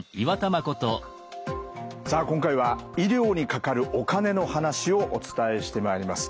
さあ今回は医療にかかるお金の話をお伝えしてまいります。